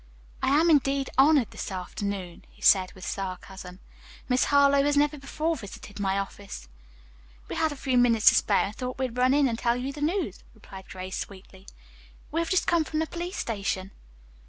"I am, indeed, honored, this afternoon," he said with sarcasm. "Miss Harlowe has never before visited my office." "We had a few minutes to spare and thought we'd run in and tell you the news," replied Grace sweetly. "We have just come from the police station."